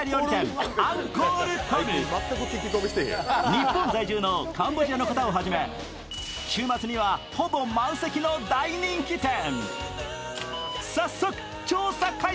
日本在住のカンボジアの方をはじめ週末にはほぼ満席の大人気店。